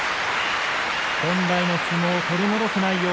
本来の相撲を取り戻す内容